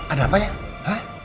ada apa ya hah